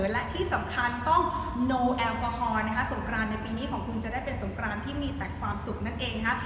และที่สำคัญต้องโนแอลกอฮอล์นะคะสงกรานในปีนี้ของคุณจะได้เป็นสงกรานที่มีแต่ความสุขนั่นเองค่ะ